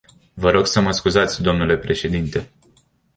Vă rog să mă scuzați, dle președinte.